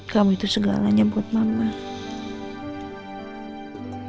kamu itu segalanya buat mama